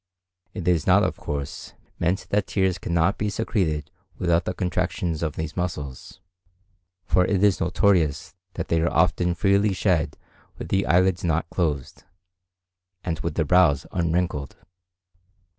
It is not, of course, meant that tears cannot be secreted without the contraction of these muscles; for it is notorious that they are often freely shed with the eyelids not closed, and with the brows unwrinkled.